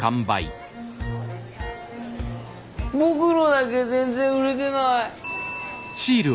僕のだけ全然売れてない。